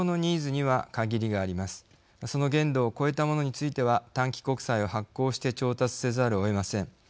その限度を超えたものについては短期国債を発行して調達せざるをえません。